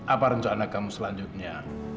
apa rencana kamu selanjutnya